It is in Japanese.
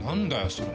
それ。